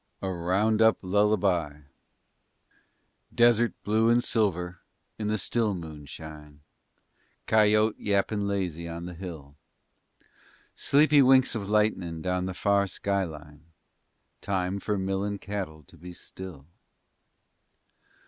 A ROUNDUP LULLABY Desert blue and silver in the still moonshine, Coyote yappin' lazy on the hill, Sleepy winks of lightnin' down the far sky line, Time for millin' cattle to be still.